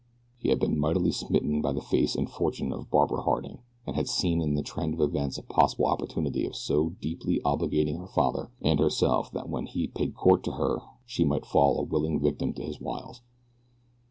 He had been mightily smitten by the face and fortune of Barbara Harding and had seen in the trend of events a possible opportunity of so deeply obligating her father and herself that when he paid court to her she might fall a willing victim to his wiles.